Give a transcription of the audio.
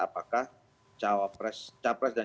apakah capres dan